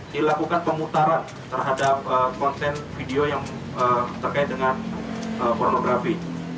dilakukan pemutaran terhadap konten video yang terkait dengan pornografi